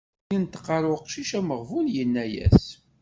Yenṭeq ar uqcic ameɣbun yenna-as.